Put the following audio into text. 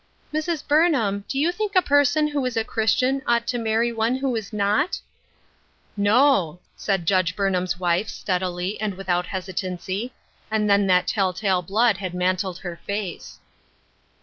A TROUBLESOME "YOUNG PERSON. 1 73 " Mrs. Burnham, do you think a person who is a Christian ought to marry one who is not ?"" No," said Judge Burnham's wife steadily, and without hesitancy ; and then that tell tale blood had mantled her face.